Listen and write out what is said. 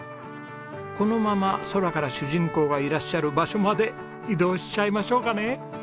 このまま空から主人公がいらっしゃる場所まで移動しちゃいましょうかね！